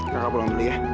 kakak pulang dulu ya